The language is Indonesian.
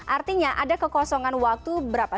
artinya ada kekosongan waktu berapa